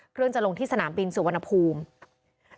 เครื่องจะลงที่สนามบินสุวรรณภูมิ